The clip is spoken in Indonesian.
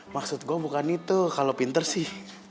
maksud gue bukan itu kalau pinter sih